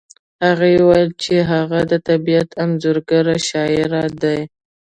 هغې وویل چې هغه د طبیعت انځورګر شاعر دی